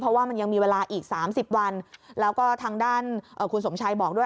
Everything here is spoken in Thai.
เพราะว่ามันยังมีเวลาอีก๓๐วันแล้วก็ทางด้านคุณสมชัยบอกด้วย